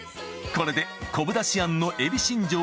これで昆布だしあんのエビしん